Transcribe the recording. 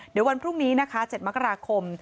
เดี๋ยววันพรุ่งนี้นะคะ๗มกราคม